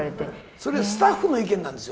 それ、スタッフの意見なんですよ。